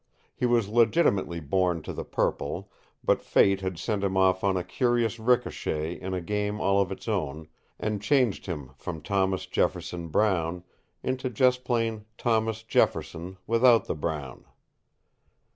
He was legitimately born to the purple, but fate had sent him off on a curious ricochet in a game all of its own, and changed him from Thomas Jefferson Brown into just plain Thomas Jefferson without the Brown.